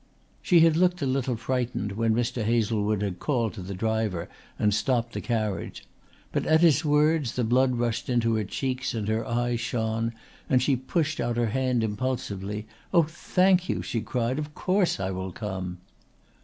She had looked a little frightened when Mr. Hazlewood had called to the driver and stopped the carriage; but at his words the blood rushed into her cheeks and her eyes shone and she pushed out her hand impulsively. "Oh, thank you," she cried. "Of course I will come."